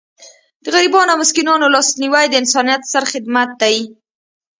د غریبانو او مسکینانو لاسنیوی د انسانیت ستر خدمت دی.